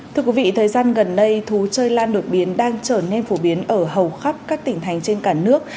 thưa quý vị thời gian gần đây thú chơi lan đột biến đang trở nên phổ biến ở hầu khắp các tỉnh thành trên cả nước